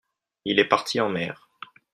il est parti en mer.